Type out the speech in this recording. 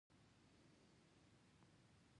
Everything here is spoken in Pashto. ګل ښایسته دی